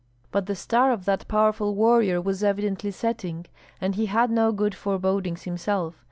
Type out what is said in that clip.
But the star of that powerful warrior was evidently setting, and he had no good forebodings himself.